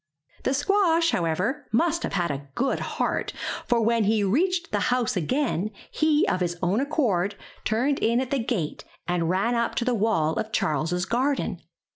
The squash, however, must have had a good heart, for when he reached the house again, he of his own accord turned in at the gate and ran up to the wall of Charles's garden.